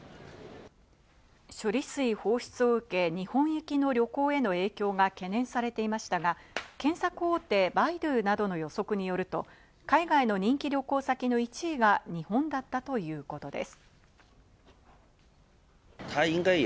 処理水放出を受け、日本行きの旅行への影響が懸念されていましたが、検索大手・百度などの予測によると、海外の人気旅行先の１位が日本だったということです。